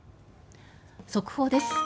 速報です。